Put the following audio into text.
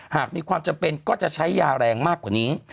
หากมีความจำเป็นก็จะใช้ยาแรงมากกว่านี้